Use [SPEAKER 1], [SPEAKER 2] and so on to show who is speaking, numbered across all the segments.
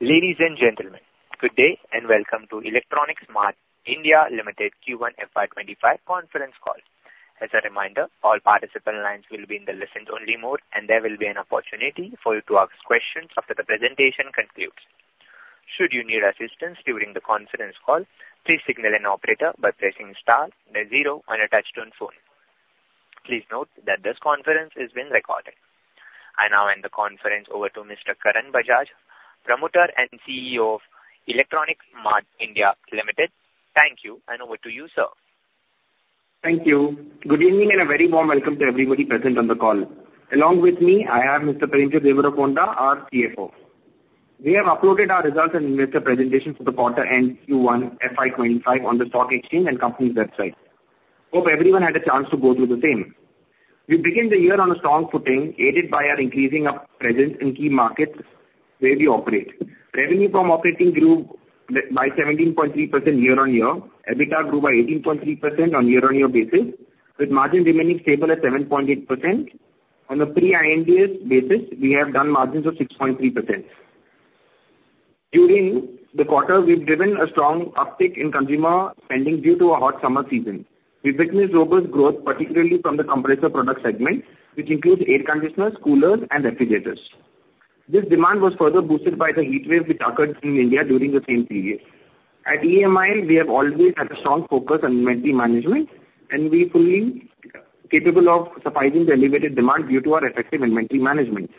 [SPEAKER 1] Ladies and gentlemen, good day and welcome to Electronics Mart India Limited Q1 FY25 conference call. As a reminder, all participant lines will be in the listeners-only mode, and there will be an opportunity for you to ask questions after the presentation concludes. Should you need assistance during the conference call, please signal an operator by pressing star, the zero, on a touch-tone phone. Please note that this conference is being recorded. I now hand the conference over to Mr. Karan Bajaj, promoter and CEO of Electronics Mart India Limited. Thank you, and over to you, sir.
[SPEAKER 2] Thank you. Good evening and a very warm welcome to everybody present on the call. Along with me, I have Mr. Premchand Devarakonda, our CFO. We have uploaded our results and investor presentations for the quarter-end Q1 FY25 on the stock exchange and company's website. Hope everyone had a chance to go through the same. We begin the year on a strong footing, aided by our increasing presence in key markets where we operate. Revenue from operations grew by 17.3% year-on-year. EBITDA grew by 18.3% on a year-on-year basis, with margin remaining stable at 7.8%. On a pre-Ind AS basis, we have done margins of 6.3%. During the quarter, we've driven a strong uptick in consumer spending due to a hot summer season. We witnessed robust growth, particularly from the compressor product segment, which includes air conditioners, coolers, and refrigerators. This demand was further boosted by the heat wave which occurred in India during the same period. At EMIL, we have always had a strong focus on inventory management, and we've been capable of sufficing the elevated demand due to our effective inventory management.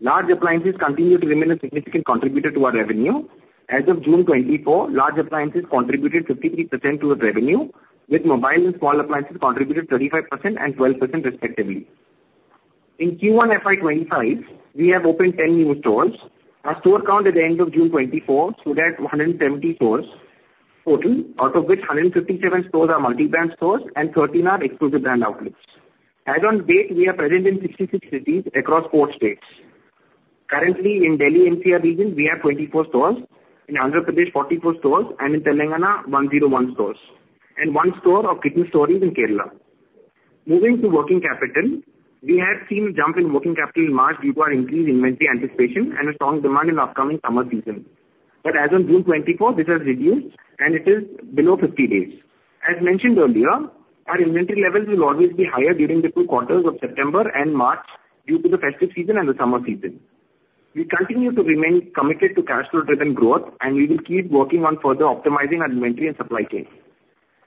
[SPEAKER 2] Large appliances continue to remain a significant contributor to our revenue. As of June 24, large appliances contributed 53% to the revenue, with mobile and small appliances contributed 35% and 12% respectively. In Q1 FY25, we have opened 10 new stores. Our store count at the end of June 24 stood at 170 stores total, out of which 157 stores are multi-brand stores and 13 are exclusive brand outlets. As of date, we are present in 66 cities across four states. Currently, in the Delhi-NCR region, we have 24 stores, in Andhra Pradesh 44 stores, and in Telangana, 101 stores, and one store of Kitchen Stories in Kerala. Moving to working capital, we have seen a jump in working capital in March due to our increased inventory anticipation and a strong demand in the upcoming summer season. But as of June 24, this has reduced, and it is below 50 days. As mentioned earlier, our inventory levels will always be higher during the two quarters of September and March due to the festive season and the summer season. We continue to remain committed to cash flow-driven growth, and we will keep working on further optimizing our inventory and supply chain.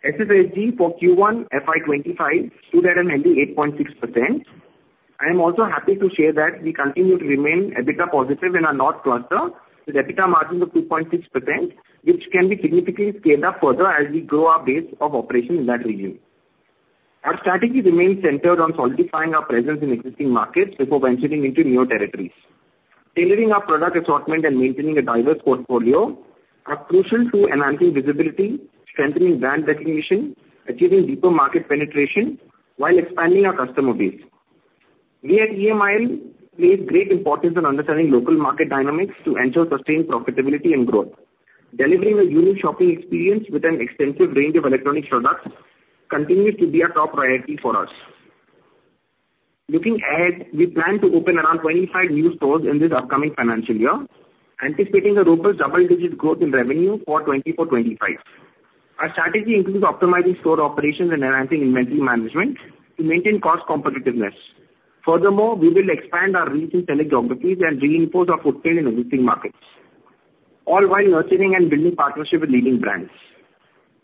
[SPEAKER 2] SSSG for Q1 FY25 stood at a healthy 8.6%. I am also happy to share that we continue to remain EBITDA positive and our North cluster, with EBITDA margins of 2.6%, which can be significantly scaled up further as we grow our base of operations in that region. Our strategy remains centered on solidifying our presence in existing markets before venturing into newer territories. Tailoring our product assortment and maintaining a diverse portfolio are crucial to enhancing visibility, strengthening brand recognition, achieving deeper market penetration, while expanding our customer base. We at EMIL place great importance on understanding local market dynamics to ensure sustained profitability and growth. Delivering a unique shopping experience with an extensive range of electronics products continues to be our top priority for us. Looking ahead, we plan to open around 25 new stores in this upcoming financial year, anticipating a robust double-digit growth in revenue for 24-25. Our strategy includes optimizing store operations and enhancing inventory management to maintain cost competitiveness. Furthermore, we will expand our reach in select geographies and reinforce our footprint in existing markets, all while nurturing and building partnerships with leading brands.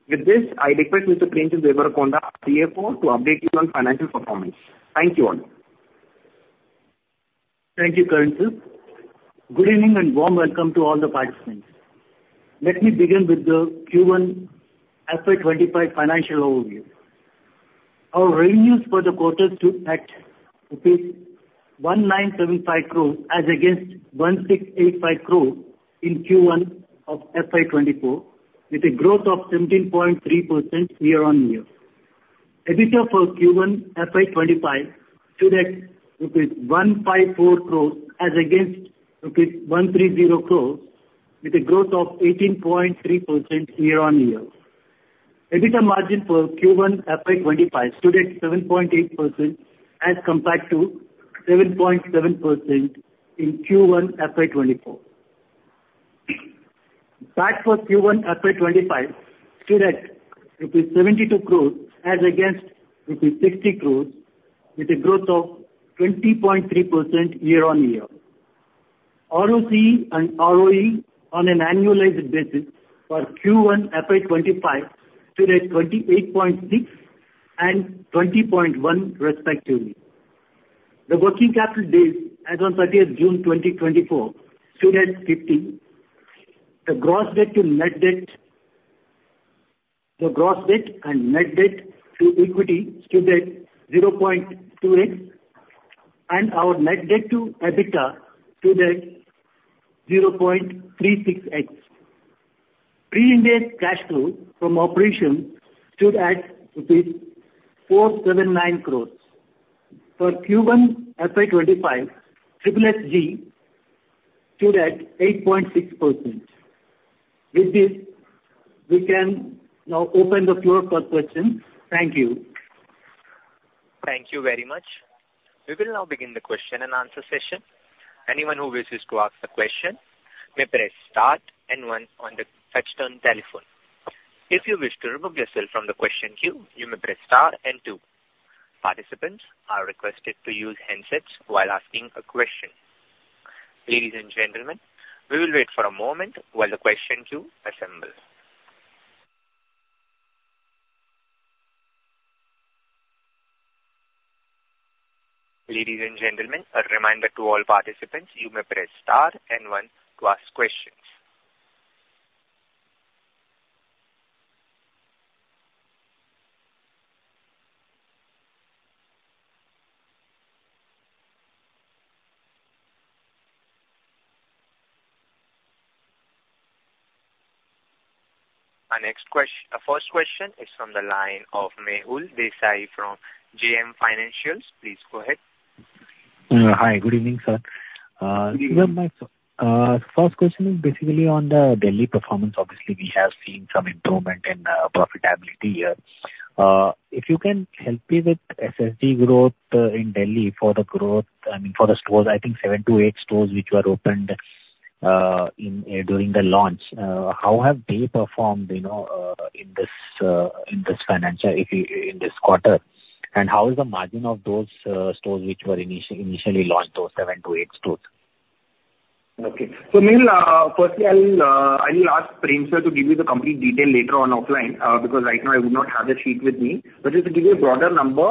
[SPEAKER 2] With this, I request Mr. Premchand Devarakonda, our CFO, to update you on financial performance. Thank you all.
[SPEAKER 3] Thank you, Karan sir. Good evening and warm welcome to all the participants. Let me begin with the Q1 FY25 financial overview. Our revenues for the quarter stood at rupees 1,975 crore as against 1,685 crore in Q1 of FY24, with a growth of 17.3% year-on-year. EBITDA for Q1 FY25 stood at rupees 1,504 crore as against rupees 1,300 crore, with a growth of 18.3% year-on-year. EBITDA margin for Q1 FY25 stood at 7.8% as compared to 7.7% in Q1 FY24. PAT for Q1 FY25 stood at rupees 72 crore as against rupees 60 crore, with a growth of 20.3% year-on-year. ROCE and ROE on an annualized basis for Q1 FY25 stood at 28.6% and 20.1% respectively. The working capital days as of 30 June 2024 stood at 50. The gross debt and net debt to equity stood at 0.2x, and our net debt to EBITDA stood at 0.36x. Pre-Ind AS cash flow from operations stood at INR 479 crore. For Q1 FY25, SSSG stood at 8.6%. With this, we can now open the floor for questions. Thank you.
[SPEAKER 1] Thank you very much. We will now begin the question and answer session. Anyone who wishes to ask a question may press star and one on the touch-tone telephone. If you wish to remove yourself from the question queue, you may press star and two. Participants are requested to use handsets while asking a question. Ladies and gentlemen, we will wait for a moment while the question queue assembles. Ladies and gentlemen, a reminder to all participants, you may press star and one to ask questions. Our first question is from the line of Mehul Desai from JM Financial. Please go ahead.
[SPEAKER 4] Hi, good evening, sir. First question is basically on the Delhi performance. Obviously, we have seen some improvement in profitability here. If you can help me with SSSG growth in Delhi for the growth, I mean, for the stores, I think seven to eight stores which were opened during the launch, how have they performed in this financial, in this quarter? And how is the margin of those stores which were initially launched, those seven to eight stores?
[SPEAKER 2] Okay. Mehul, firstly, I will ask Premchand to give you the complete detail later on offline because right now I would not have the sheet with me. But just to give you a broader number,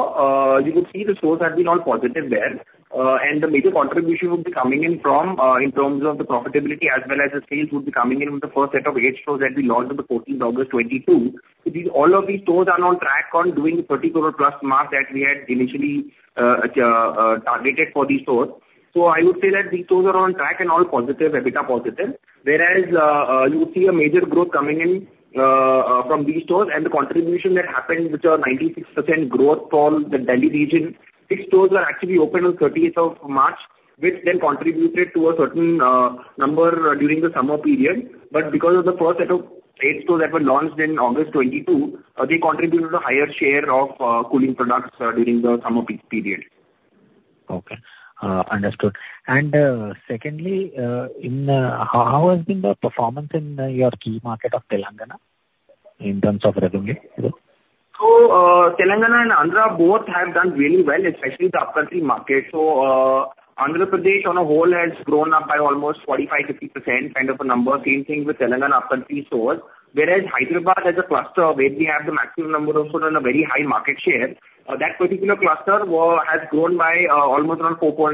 [SPEAKER 2] you could see the stores have been all positive there. The major contribution would be coming in from in terms of the profitability as well as the sales would be coming in with the first set of eight stores that we launched on the 14th of August 2022. All of these stores are on track on doing the 30 crore-plus mark that we had initially targeted for these stores. I would say that these stores are on track and all positive, EBITDA positive. You would see a major growth coming in from these stores and the contribution that happened, which are 96% growth for the Delhi region. Six stores were actually opened on the 30th of March, which then contributed to a certain number during the summer period. But because of the first set of eight stores that were launched in August 2022, they contributed a higher share of cooling products during the summer period.
[SPEAKER 4] Okay. Understood. And secondly, how has been the performance in your key market of Telangana in terms of revenue?
[SPEAKER 2] Telangana and Andhra Pradesh both have done really well, especially the upcountry market. Andhra Pradesh as a whole has grown by almost 45%-50% kind of a number. Same thing with Telangana upcountry stores. Whereas Hyderabad as a cluster, where we have the maximum number of stores and a very high market share, that particular cluster has grown by almost around 4.5%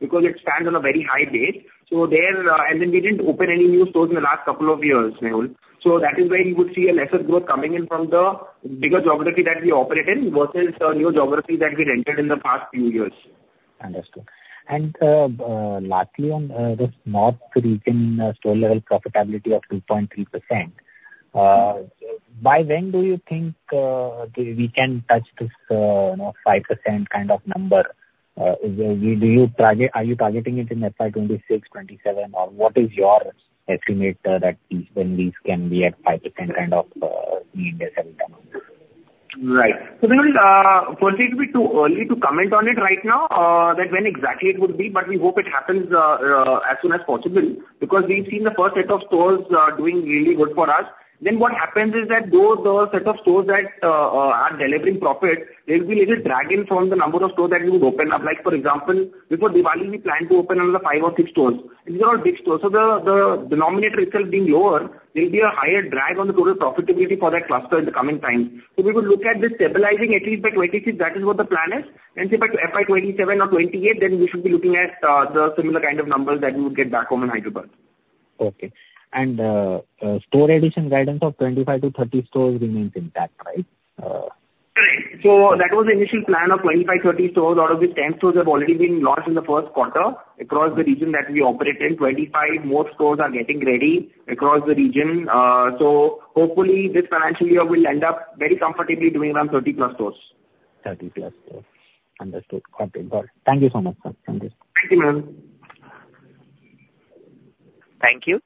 [SPEAKER 2] because it stands on a very high base. There, and then we didn't open any new stores in the last couple of years, Mehul. That is where you would see a lesser growth coming in from the bigger geography that we operate in versus the new geography that we entered in the past few years.
[SPEAKER 4] Understood. And lastly, on the North region, store-level profitability of 2.3%. By when do you think we can touch this 5% kind of number? Are you targeting it in FY26, FY27, or what is your estimate that when these can be at 5% kind of mean this every time?
[SPEAKER 2] Right. So Mehul, it will be too early to comment on it right now, that when exactly it would be, but we hope it happens as soon as possible because we've seen the first set of stores doing really good for us. Then what happens is that though the set of stores that are delivering profit, there will be a little drag in from the number of stores that we would open up. Like for example, before Diwali, we planned to open another five or six stores. These are all big stores. So the denominator itself being lower, there will be a higher drag on the total profitability for that cluster in the coming time. So we will look at this stabilizing at least by 2026. That is what the plan is. If by FY27 or 28, then we should be looking at the similar kind of numbers that we would get back home in Hyderabad.
[SPEAKER 4] Okay, and store addition guidance of 25 to 30 stores remains intact, right?
[SPEAKER 2] Correct. So that was the initial plan of 25-30 stores. Out of these 10 stores have already been launched in the first quarter across the region that we operate in. 25 more stores are getting ready across the region. So hopefully this financial year will end up very comfortably doing around 30 plus stores.
[SPEAKER 4] 30 plus stores. Understood. Thank you so much, sir.
[SPEAKER 2] Thank you, Mehul.
[SPEAKER 1] Thank you.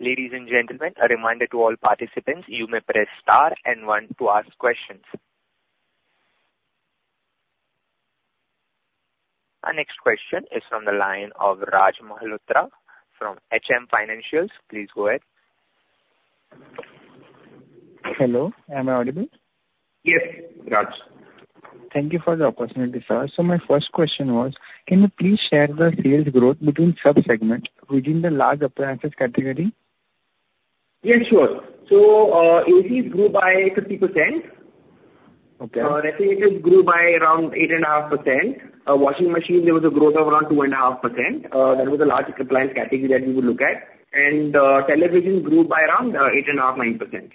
[SPEAKER 1] Ladies and gentlemen, a reminder to all participants, you may press star and one to ask questions. Our next question is from the line of Raj Malhotra from HM Financials. Please go ahead.
[SPEAKER 5] Hello. Am I audible?
[SPEAKER 2] Yes, Raj.
[SPEAKER 5] Thank you for the opportunity, sir, so my first question was, can you please share the sales growth between subsegments within the large appliances category?
[SPEAKER 2] Yes, sure. So ACs grew by 50%. Refrigerators grew by around 8.5%. Washing machines, there was a growth of around 2.5%. That was the large appliance category that we would look at. And television grew by around 8.5%-9%.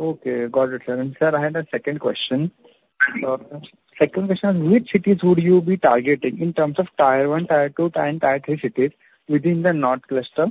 [SPEAKER 5] Okay. Got it, sir. And sir, I had a second question. Second question is, which cities would you be targeting in terms of tier one, tier two, and tier three cities within the North cluster?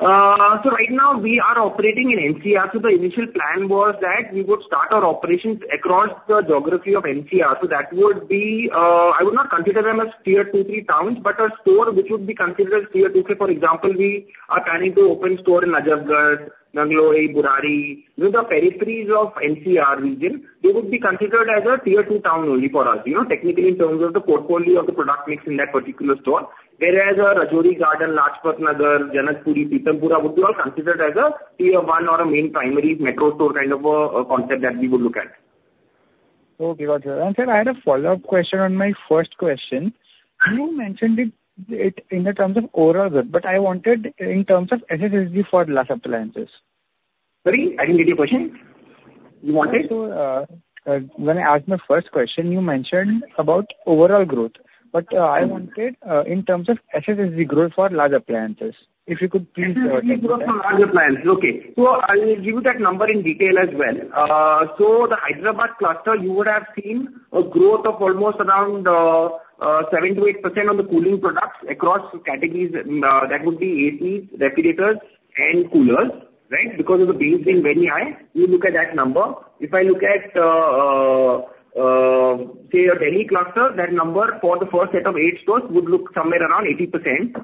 [SPEAKER 2] Right now, we are operating in Delhi-NCR. The initial plan was that we would start our operations across the geography of Delhi-NCR. That would be, I would not consider them as tier two, three towns, but a store which would be considered as tier two. For example, we are planning to open a store in Najafgarh, Nangloi, Burari, the peripheries of Delhi-NCR region. They would be considered as a tier two town only for us, technically in terms of the portfolio of the product mix in that particular store. Whereas Rajouri Garden, Lajpat Nagar, Janakpuri, Pitampura would be all considered as a tier one or a main primary metro store kind of a concept that we would look at.
[SPEAKER 5] Okay. Got it. And sir, I had a follow-up question on my first question. You mentioned it in the terms of overall growth, but I wanted in terms of SSSG for large appliances.
[SPEAKER 2] Sorry? I didn't get your question. You wanted?
[SPEAKER 5] When I asked my first question, you mentioned about overall growth. But I wanted in terms of SSSG growth for large appliances. If you could please tell me?
[SPEAKER 2] SSSG growth for large appliances. Okay, so I will give you that number in detail as well, so the Hyderabad cluster, you would have seen a growth of almost around 7%-8% on the cooling products across categories. That would be ACs, refrigerators, and coolers, right? Because of the base being very high, you look at that number. If I look at, say, a Delhi cluster, that number for the first set of eight stores would look somewhere around 80%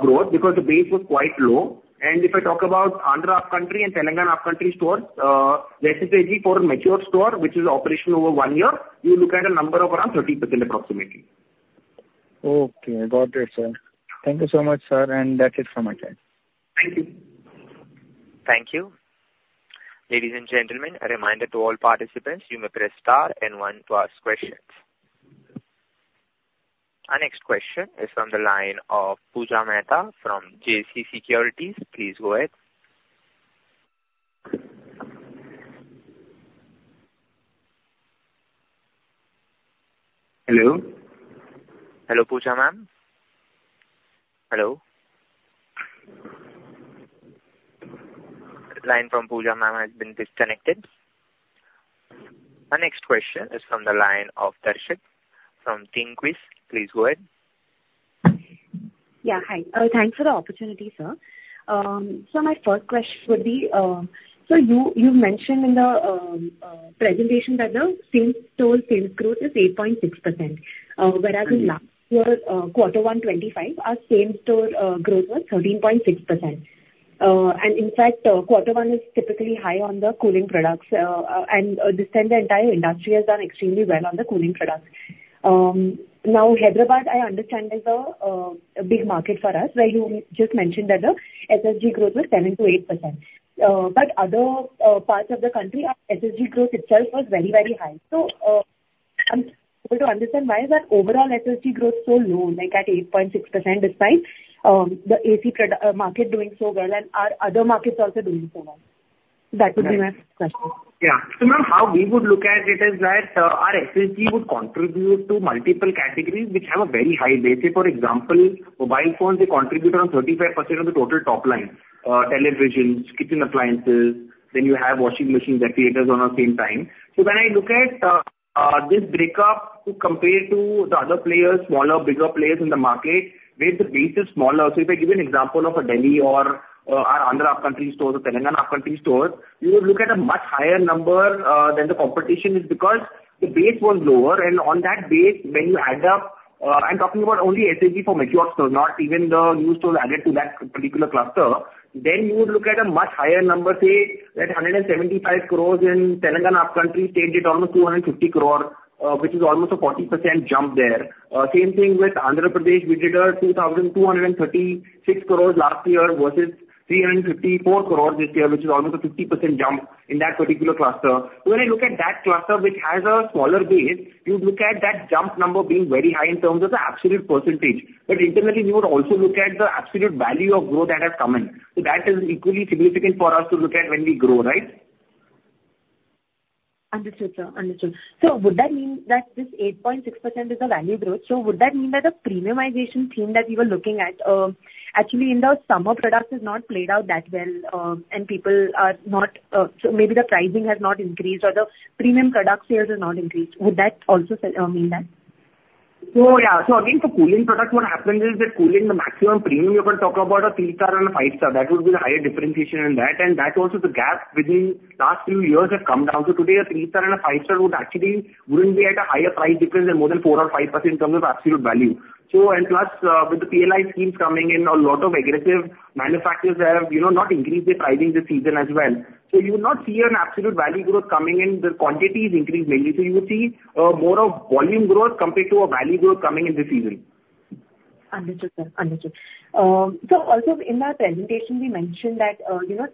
[SPEAKER 2] growth because the base was quite low, and if I talk about Andhra Upcountry and Telangana upcountry stores, SSSG for a mature store, which is operational over one year, you look at a number of around 30% approximately.
[SPEAKER 5] Okay. Got it, sir. Thank you so much, sir, and that's it for my side.
[SPEAKER 2] Thank you.
[SPEAKER 1] Thank you. Ladies and gentlemen, a reminder to all participants, you may press star and one to ask questions. Our next question is from the line of Pooja Mehta from JC Securities. Please go ahead. Hello. Hello, Pooja ma'am. Hello. Line from Pooja ma'am has been disconnected. Our next question is from the line of Darshit from Thinkwise. Please go ahead. Yeah. Hi. Thanks for the opportunity, sir. So my first question would be, so you've mentioned in the presentation that the same store sales growth is 8.6%. Whereas in last year, quarter one, 25, our same store growth was 13.6%. And in fact, quarter one is typically high on the cooling products. And this time, the entire industry has done extremely well on the cooling products. Now, Hyderabad, I understand, is a big market for us, where you just mentioned that the SSSG growth was 7-8%. But other parts of the country, SSSG growth itself was very, very high. So I'm able to understand why is that overall SSSG growth so low, like at 8.6%, despite the AC market doing so well and our other markets also doing so well. That would be my question.
[SPEAKER 2] Yeah. So now how we would look at it is that our SSSG would contribute to multiple categories which have a very high base. For example, mobile phones, they contribute around 35% of the total top line. Televisions, kitchen appliances, then you have washing machines, refrigerators at the same time. So when I look at this breakup to compare to the other players, smaller, bigger players in the market, where the base is smaller. So if I give you an example of a Delhi or our Andhra upcountry stores or Telangana upcountry stores, you would look at a much higher number than the competition is because the base was lower. And on that base, when you add up, I'm talking about only SSSG for mature stores, not even the new stores added to that particular cluster, then you would look at a much higher number, say, that 175 crores in Telangana upcountry stayed at almost 250 crore, which is almost a 40% jump there. Same thing with Andhra Pradesh. We did 2,236 crores last year versus 354 crores this year, which is almost a 50% jump in that particular cluster. When I look at that cluster, which has a smaller base, you'd look at that jump number being very high in terms of the absolute percentage. But internally, we would also look at the absolute value of growth that has come in. So that is equally significant for us to look at when we grow, right? Understood, sir. Understood. So would that mean that this 8.6% is the value growth? So would that mean that the premiumization theme that we were looking at, actually, in the summer products has not played out that well and people are not, so maybe the pricing has not increased or the premium product sales have not increased? Would that also mean that? So yeah. So again, the cooling product, what happens is that cooling, the maximum premium, you can talk about a three-star and a five-star. That would be the higher differentiation in that. And that also the gap within last few years has come down. So today, a three-star and a five-star would actually wouldn't be at a higher price difference than more than four or five% in terms of absolute value. So and plus with the PLI schemes coming in, a lot of aggressive manufacturers have not increased their pricing this season as well. So you would not see an absolute value growth coming in. The quantity is increased mainly. So you would see more of volume growth compared to a value growth coming in this season. Understood, sir. Understood. So also in my presentation, we mentioned that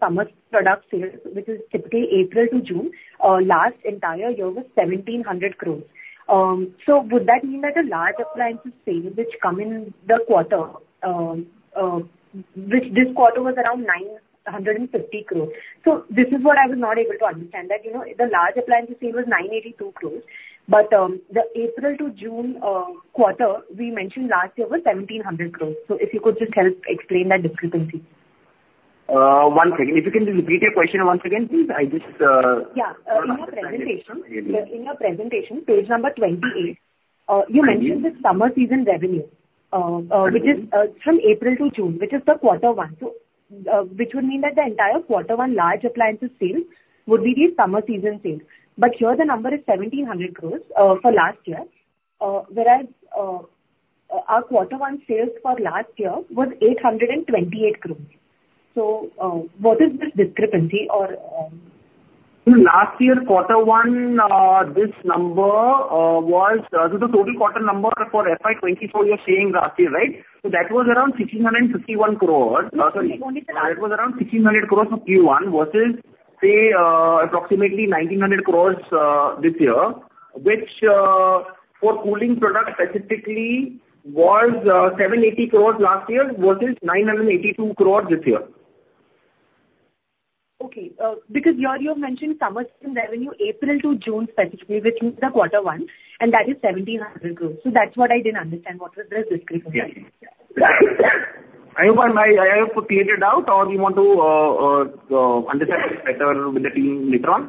[SPEAKER 2] summer product sales, which is typically April to June, last entire year was 1,700 crores. So would that mean that the large appliances sale, which come in the quarter, which this quarter was around 950 crores? So this is what I was not able to understand, that the large appliances sale was 982 crores. But the April to June quarter, we mentioned last year was 1,700 crores. So if you could just help explain that discrepancy. One second. If you can repeat your question once again, please. I just. Yeah. In your presentation, page number 28, you mentioned the summer season revenue, which is from April to June, which is the quarter one. So which would mean that the entire quarter one large appliances sales would be the summer season sales. But here the number is 1,700 crore for last year. Whereas our quarter one sales for last year was 828 crore. So what is this discrepancy or? Last year, quarter one, this number was, so the total quarter number for FY24 you're saying last year, right? So that was around 1,651 crores. Sorry. That was around 1,600 crores for Q1 versus, say, approximately 1,900 crores this year, which for cooling products specifically was 780 crores last year versus 982 crores this year. Okay. Because you have mentioned summer season revenue, April to June specifically, which is the quarter one, and that is 1,700 crores. So that's what I didn't understand. What was the discrepancy? I hope I cleared it out or you want to understand better with the team later on?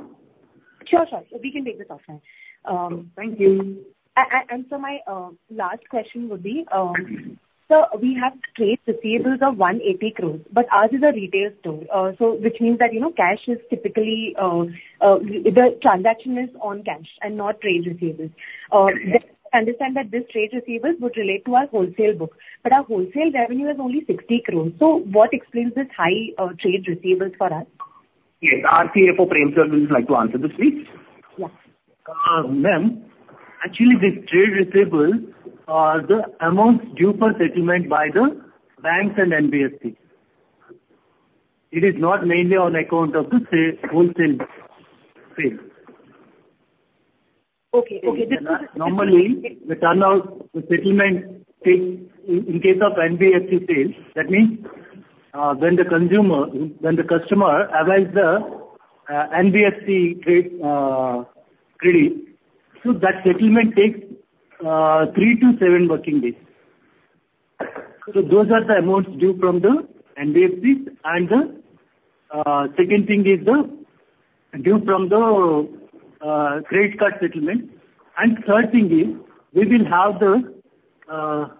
[SPEAKER 2] Sure, sure. We can take this offline. Thank you. And so my last question would be. So we have trade receivables of 180 crores, but ours is a retail store, which means that cash is typically the transaction is on cash and not trade receivables. I understand that this trade receivables would relate to our wholesale book, but our wholesale revenue is only 60 crores. So what explains this high trade receivables for us? Yes. CFO Premchand would like to answer this, please. Yes.
[SPEAKER 3] Ma'am, actually, these trade receivables are the amounts due for settlement by the banks and NBFC. It is not mainly on account of the wholesale sales. Okay. Normally, the turnaround, the settlement takes in case of NBFC sales, that means when the consumer, when the customer avails the NBFC credit, so that settlement takes three to seven working days. So those are the amounts due from the NBFC. And the second thing is the due from the credit card settlement. And third thing is we will have the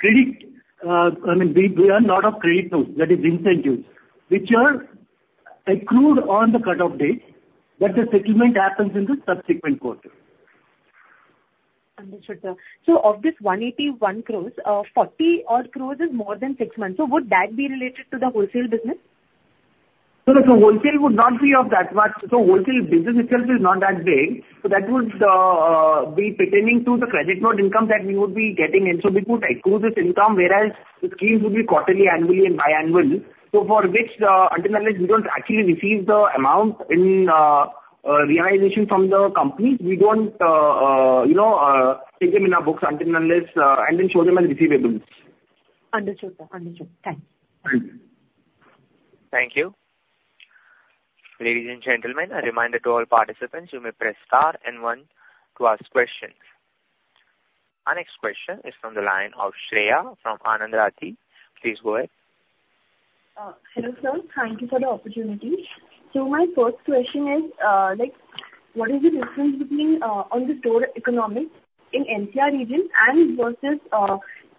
[SPEAKER 3] credit I mean, we are not of credit notes. That is incentives, which are accrued on the cut-off date, but the settlement happens in the subsequent quarter. Understood, sir. So of this 181 crores, 40 crores is more than six months. So would that be related to the wholesale business?
[SPEAKER 2] So the wholesale would not be of that much. So the wholesale business itself is not that big. So that would be pertaining to the credit note income that we would be getting in. So we could accrue this income, whereas the scheme would be quarterly, annually, and biannual. So for which, until unless we don't actually receive the amount in realization from the companies, we don't take them in our books until unless and then show them as receivables. Understood, sir. Understood. Thanks. Thank you.
[SPEAKER 1] Thank you. Ladies and gentlemen, a reminder to all participants, you may press star and one to ask questions. Our next question is from the line of Shreya from Anand Rathi. Please go ahead. Hello, sir. Thank you for the opportunity. So my first question is, what is the difference between on the store economics in NCR region versus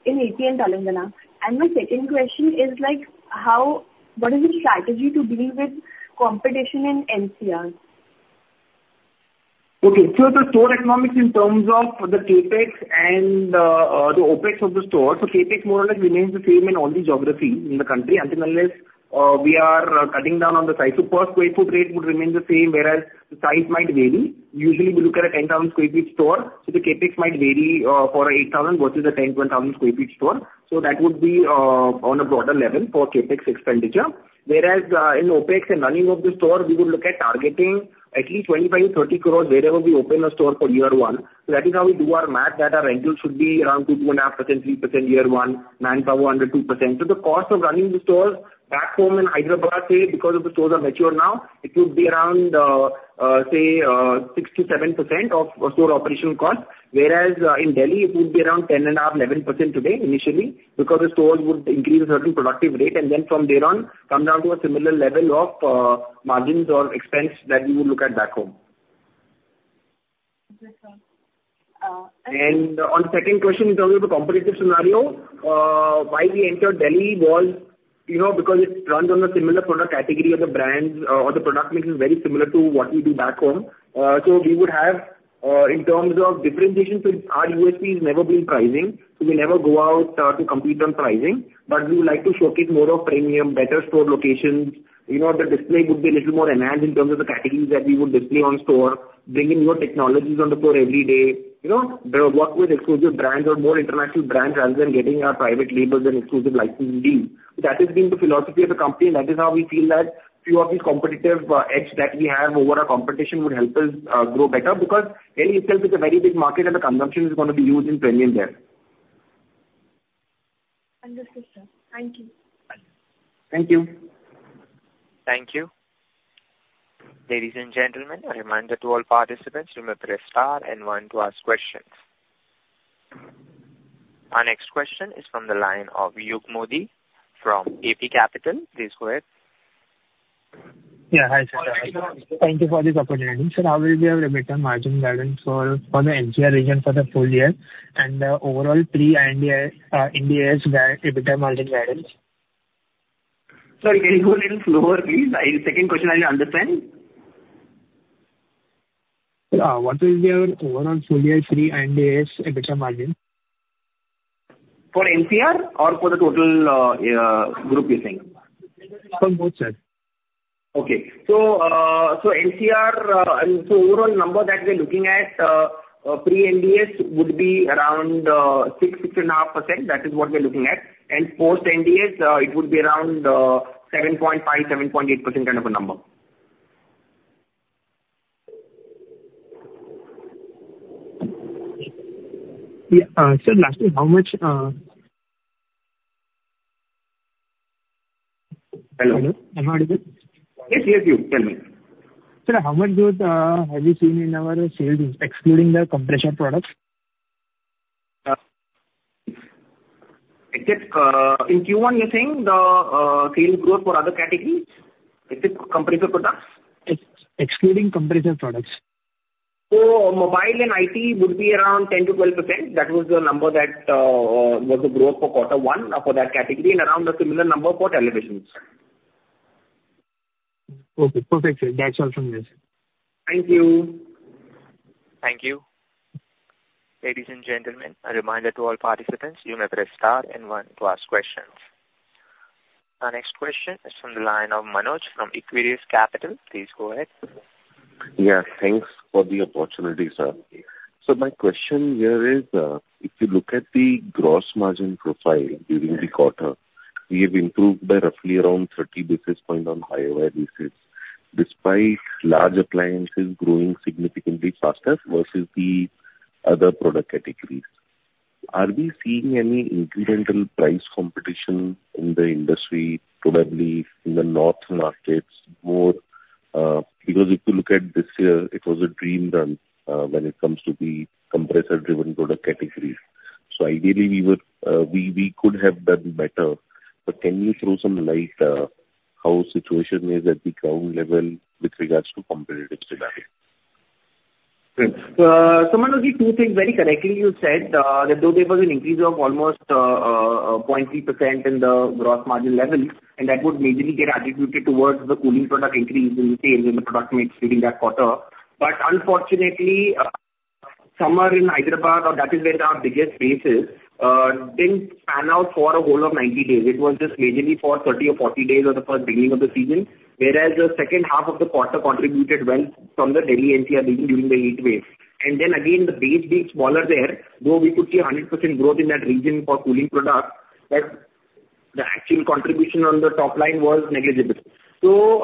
[SPEAKER 1] in AP and Telangana? And my second question is, what is the strategy to deal with competition in NCR?
[SPEAKER 2] Okay. So the store economics in terms of the CapEx and the OpEx of the store. So CapEx more or less remains the same in all the geographies in the country until unless we are cutting down on the size. So per sq ft rate would remain the same, whereas the size might vary. Usually, we look at a 10,000 sq ft store. So the CapEx might vary for 8,000 versus a 10,000 sq ft store. So that would be on a broader level for CapEx expenditure. Whereas in OpEx and running of the store, we would look at targeting at least 25-30 crores wherever we open a store for year one. So that is how we do our math that our rentals should be around 2-2.5%, 3% year one, manpower under 2%. So the cost of running the store back home in Hyderabad, say, because the stores are mature now, it would be around, say, 6%-7% of store operational cost. Whereas in Delhi, it would be around 10.5%-11% today initially because the stores would increase a certain productive rate. And then from there on, come down to a similar level of margins or expense that we would look at back home. Understood, sir. And on the second question, in terms of the competitive scenario, why we entered Delhi was because it runs on a similar product category of the brands or the product mix is very similar to what we do back home. So we would have in terms of differentiation, so our USP has never been pricing. So we never go out to compete on pricing. But we would like to showcase more of premium, better store locations. The display would be a little more enhanced in terms of the categories that we would display on store, bringing newer technologies on the floor every day, work with exclusive brands or more international brands rather than getting our private labels and exclusive licensing deals. That has been the philosophy of the company. That is how we feel that a few of these competitive edges that we have over our competition would help us grow better, because Delhi itself is a very big market and the consumption is going to be huge in premium there. Understood, sir. Thank you. Thank you.
[SPEAKER 1] Thank you. Ladies and gentlemen, a reminder to all participants, you may press star and one to ask questions. Our next question is from the line of Yug Modi from AP Capital. Please go ahead.
[SPEAKER 6] Yeah. Hi, sir. Thank you for this opportunity. Sir, how will we have EBITDA margin guidance for the NCR region for the full year and the overall pre-Ind AS EBITDA margin guidance?
[SPEAKER 2] Sorry, can you go a little slower, please? Second question, I didn't understand.
[SPEAKER 6] What will be our overall full year pre-Ind AS EBITDA margin?
[SPEAKER 2] For NCR or for the total group, you think?
[SPEAKER 6] For both, sir.
[SPEAKER 2] Okay. NCR, so overall number that we're looking at pre-Ind AS would be around 6-6.5%. That is what we're looking at, and post-Ind AS, it would be around 7.5-7.8% kind of a number.
[SPEAKER 6] Yeah. Sir, lastly, how much?
[SPEAKER 2] Hello?
[SPEAKER 6] Hello? I'm not able.
[SPEAKER 2] Yes, yes, you. Tell me.
[SPEAKER 6] Sir, how much growth have we seen in our sales, excluding the compressor products?
[SPEAKER 2] Except in Q1, you're saying the sales growth for other categories? Except compressor products?
[SPEAKER 6] Excluding compressor products.
[SPEAKER 2] So mobile and IT would be around 10%-12%. That was the number that was the growth for quarter one for that category and around a similar number for televisions.
[SPEAKER 6] Okay. Perfect, sir. That's all from me, sir.
[SPEAKER 2] Thank you.
[SPEAKER 1] Thank you. Ladies and gentlemen, a reminder to all participants, you may press star and one to ask questions. Our next question is from the line of Manoj from Equirus Capital. Please go ahead.
[SPEAKER 7] Yes. Thanks for the opportunity, sir. So my question here is, if you look at the gross margin profile during the quarter, we have improved by roughly around 30 basis points on higher-end basis, despite large appliances growing significantly faster versus the other product categories. Are we seeing any incremental price competition in the industry, probably in the north markets more? Because if you look at this year, it was a dream run when it comes to the compressor-driven product categories. So ideally, we could have done better. But can you throw some light on how the situation is at the ground level with regards to competitive scenario?
[SPEAKER 2] Sir, someone has been using very correctly. You said that though there was an increase of almost 0.3% in the gross margin level, and that would majorly get attributed towards the cooling product increase in the sales and the product mix during that quarter. But unfortunately, summer in Hyderabad, or that is where our biggest base is, didn't pan out for a whole of 90 days. It was just majorly for 30 or 40 days at the beginning of the season, whereas the second half of the quarter contributed well from the Delhi-NCR region during the heat wave. And then again, the base being smaller there, though we could see 100% growth in that region for cooling products, that the actual contribution on the top line was negligible. So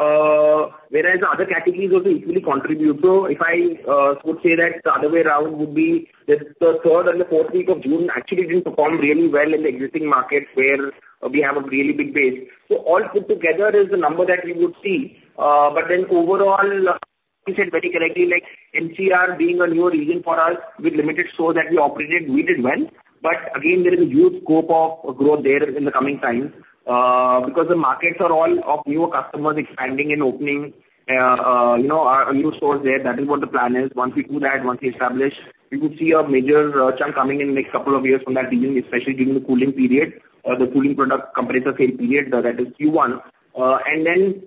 [SPEAKER 2] whereas other categories also equally contribute. So, if I would say that the other way around would be that the third and the fourth week of June actually didn't perform really well in the existing markets where we have a really big base. So all put together is the number that we would see. But then overall, you said very correctly, NCR being a newer region for us with limited stores that we operated, we did well. But again, there is a huge scope of growth there in the coming times because the markets are all of newer customers expanding and opening new stores there. That is what the plan is. Once we do that, once we establish, we would see a major chunk coming in the next couple of years from that region, especially during the cooling period or the cooling product compressor sale period, that is Q1.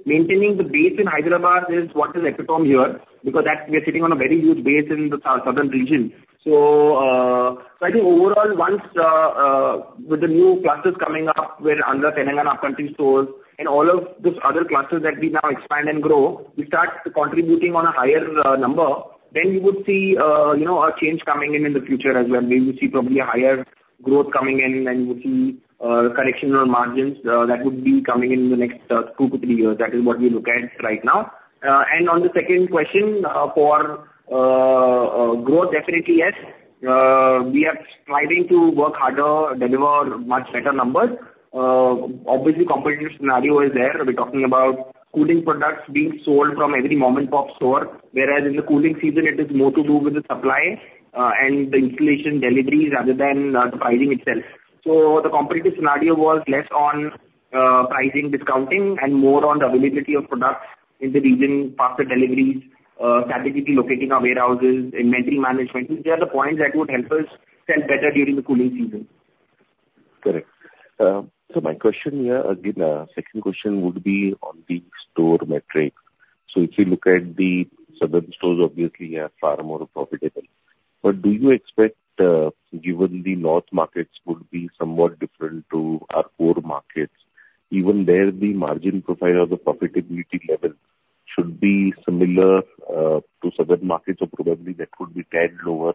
[SPEAKER 2] Maintaining the base in Hyderabad is what has echoed on here because we are sitting on a very huge base in the southern region. I think overall, once with the new clusters coming up, we're entering Telangana upcountry stores and all of these other clusters that we now expand and grow, we start contributing to a higher number. We would see a change coming in in the future as well. We would see probably a higher growth coming in, and we would see expansion margins that would be coming in the next two-to-three years. That is what we look at right now. On the second question for growth, definitely yes. We are striving to work harder, deliver much better numbers. Obviously, competitive scenario is there. We're talking about cooling products being sold from every moment of the store, whereas in the cooling season, it is more to do with the supply and the installation deliveries rather than the pricing itself. So the competitive scenario was less on pricing discounting and more on the availability of products in the region, faster deliveries, strategically locating our warehouses, inventory management. These are the points that would help us sell better during the cooling season.
[SPEAKER 7] Correct. So my question here, again, second question would be on the store metric. So if you look at the southern stores, obviously, you have far more profitable. But do you expect, given the north markets would be somewhat different to our core markets, even there, the margin profile of the profitability level should be similar to southern markets? So probably that would be a tad lower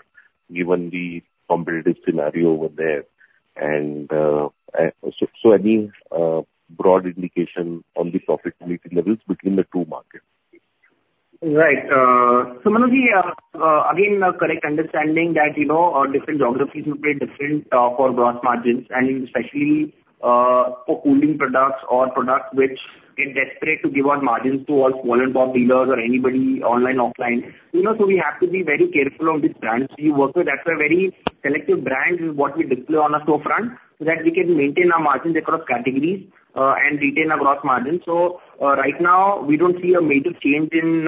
[SPEAKER 7] given the competitive scenario over there. And so any broad indication on the profitability levels between the two markets?
[SPEAKER 2] Right. So, Manoj, again, correct understanding that different geographies will play different for gross margins, and especially for cooling products or products which get desperate to give out margins to all small and top dealers or anybody online offline. So we have to be very careful on these brands we work with, that's a very selective brand is what we display on our storefront so that we can maintain our margins across categories and retain our gross margins. So right now, we don't see a major change in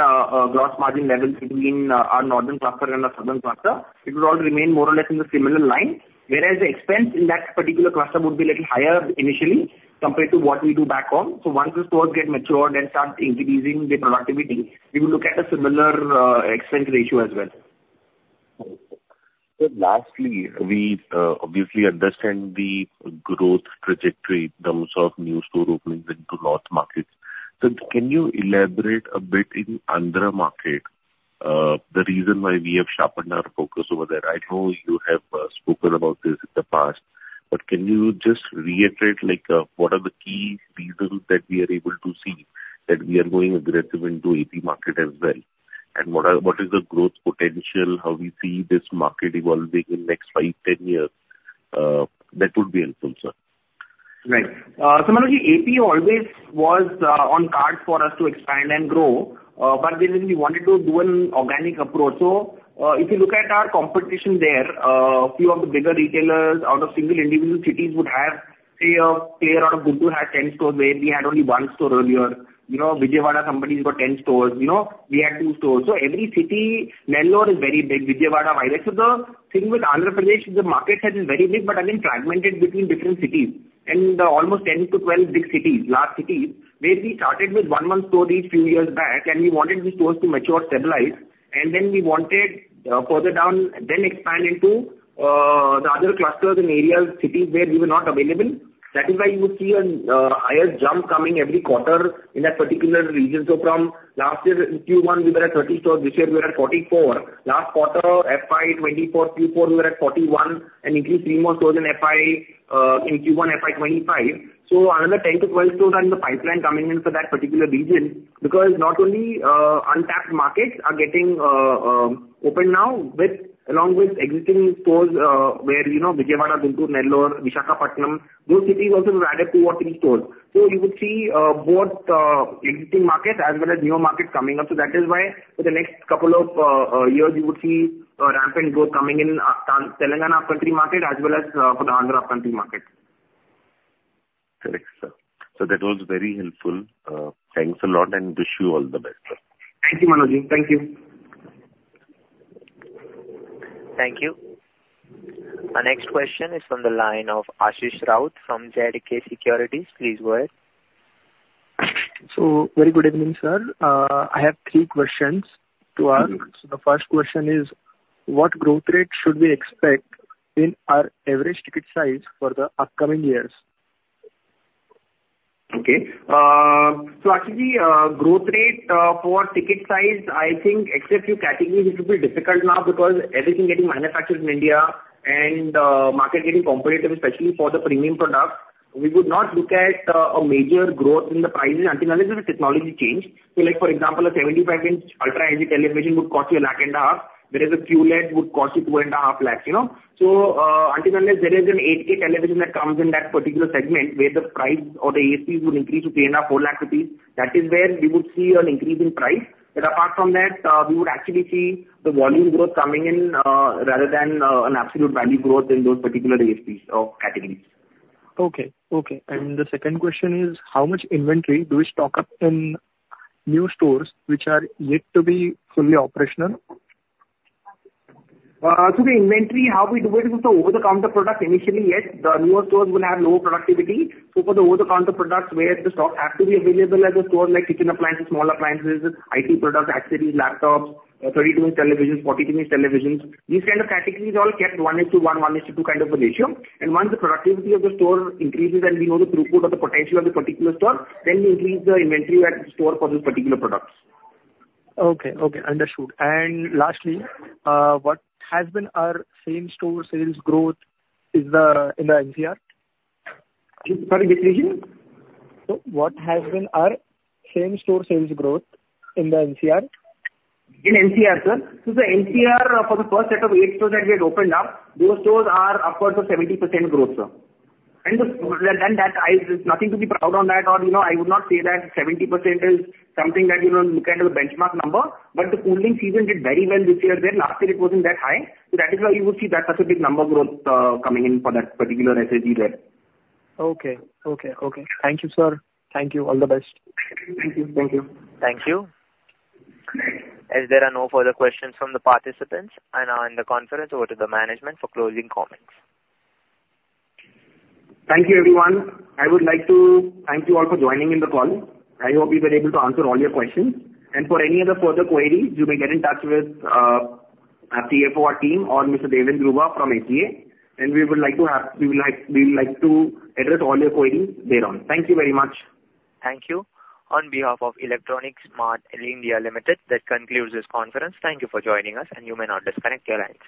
[SPEAKER 2] gross margin levels between our northern cluster and our southern cluster. It will all remain more or less in the similar line, whereas the expense in that particular cluster would be a little higher initially compared to what we do back home. So once the stores get matured and start increasing the productivity, we will look at a similar expense ratio as well.
[SPEAKER 7] So lastly, we obviously understand the growth trajectory in terms of new store openings into north markets. So can you elaborate a bit in Andhra market, the reason why we have sharpened our focus over there? I know you have spoken about this in the past, but can you just reiterate what are the key reasons that we are able to see that we are going aggressive into AP market as well? And what is the growth potential? How do we see this market evolving in the next 5, 10 years? That would be helpful, sir.
[SPEAKER 2] Right. So Manoj, AP always was on the cards for us to expand and grow, but we wanted to do an organic approach. So if you look at our competition there, a few of the bigger retailers out of single individual cities would have, say, a player out of Guntur had 10 stores where we had only one store earlier. Vijayawada company got 10 stores. We had two stores. So every city, Nellore is very big, Vijayawada, Vizag. So the thing with Andhra Pradesh is the market has been very big, but again, fragmented between different cities and almost 10-12 big cities, large cities, where we started with one main store each a few years back, and we wanted these stores to mature, stabilize. And then we wanted further down, then expand into the other clusters and areas, cities where we were not available. That is why you would see a higher jump coming every quarter in that particular region. So from last year, in Q1, we were at 30 stores. This year, we were at 44. Last quarter, FY 24, Q4, we were at 41 and increased three more stores in Q1, FY 25. So another 10 to 12 stores are in the pipeline coming in for that particular region because not only untapped markets are getting opened now along with existing stores where Vijayawada, Guntur, Nellore, Visakhapatnam, those cities also will add up to what three stores. So you would see both existing markets as well as newer markets coming up. So that is why for the next couple of years, you would see a rampant growth coming in Telangana upcountry market as well as for the Andhra upcountry market.
[SPEAKER 7] Correct, sir. So that was very helpful. Thanks a lot and wish you all the best, sir.
[SPEAKER 2] Thank you, Manoj. Thank you.
[SPEAKER 1] Thank you. Our next question is from the line of Ashish Raut from B&K Securities. Please go ahead.
[SPEAKER 8] So very good evening, sir. I have three questions to ask. So the first question is, what growth rate should we expect in our average ticket size for the upcoming years?
[SPEAKER 2] Okay. So actually, growth rate for ticket size, I think except a few categories, it will be difficult now because everything getting manufactured in India and market getting competitive, especially for the premium products, we would not look at a major growth in the prices until there is a technology change. So for example, a 75-inch Ultra HD television would cost you a lakh and a half, whereas a QLED would cost you 2.5 lakhs. So until unless there is an 8K television that comes in that particular segment where the price or the ACs will increase to 3.5 Lakhs - 4 Lakhs rupees, that is where we would see an increase in price. But apart from that, we would actually see the volume growth coming in rather than an absolute value growth in those particular categories.
[SPEAKER 8] Okay. And the second question is, how much inventory do we stock up in new stores which are yet to be fully operational?
[SPEAKER 2] The inventory, how we do it is with the over-the-counter products. Initially, yes, the newer stores will have lower productivity. For the over-the-counter products where the stock has to be available at the store, like kitchen appliances, small appliances, IT products, accessories, laptops, 32-inch televisions, 42-inch televisions, these kind of categories are all kept 1:1, 1:2 kind of a ratio. Once the productivity of the store increases and we know the throughput or the potential of the particular store, then we increase the inventory at the store for those particular products.
[SPEAKER 8] Okay. Okay. Understood, and lastly, what has been our same-store sales growth in the NCR?
[SPEAKER 2] Sorry, which region?
[SPEAKER 8] So what has been our same-store sales growth in the NCR?
[SPEAKER 2] In NCR, sir. So the NCR, for the first set of eight stores that we had opened up, those stores are upwards of 70% growth, sir. And then that is nothing to be proud on that. I would not say that 70% is something that you don't look at as a benchmark number, but the cooling season did very well this year there. Last year, it wasn't that high. So that is why you would see that such a big number growth coming in for that particular SSSG there.
[SPEAKER 8] Okay. Okay. Okay. Thank you, sir. Thank you. All the best.
[SPEAKER 2] Thank you. Thank you.
[SPEAKER 1] Thank you. Are there no further questions from the participants? I now hand the conference over to the management for closing comments.
[SPEAKER 2] Thank you, everyone. I would like to thank you all for joining in the call. I hope we were able to answer all your questions. And for any other further queries, you may get in touch with our team or Mr. Deven Dhruva from SGA. And we would like to address all your queries thereon. Thank you very much.
[SPEAKER 1] Thank you. On behalf of Electronics Mart India Limited, that concludes this conference. Thank you for joining us, and you may now disconnect your lines.